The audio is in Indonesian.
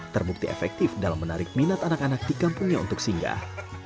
terbukti efektif dalam menarik minat anak anak di kampungnya untuk singgah